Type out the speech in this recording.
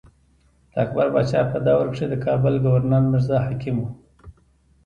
د اکبر باچا په دور کښې د کابل ګورنر مرزا حکيم وو۔